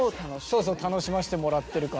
そうそう楽しませてもらってるから。